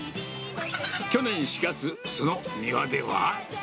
去年４月、その庭では。